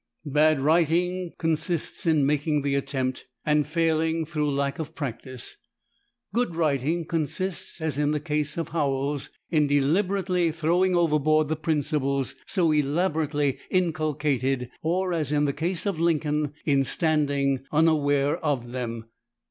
Bad writing consists in making the attempt, and failing through lack of practise. Good writing consists, as in the case of Howells, in deliberately throwing overboard the principles so elaborately inculcated, or, as in the case of Lincoln, in standing unaware of them.